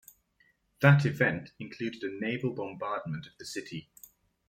That event included a naval bombardment of the city.